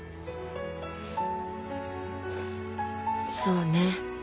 そうね。